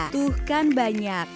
tuh kan banyak